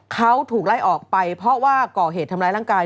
เขาถูกไล่ออกไปเพราะว่าก่อเหตุทำร้ายร่างกาย